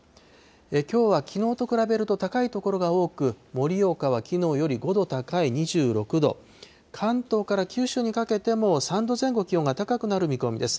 きょうはきのうと比べると高い所が多く、盛岡はきのうより５度高い２６度、関東から九州のかけても３度前後気温が高くなる見込みです。